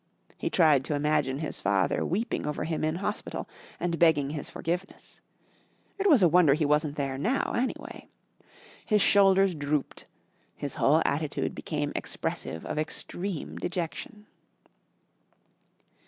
He tried to imagine his father weeping over him in Hospital and begging his forgiveness. It was a wonder he wasn't there now, anyway. His shoulders drooped his whole attitude became expressive of extreme dejection.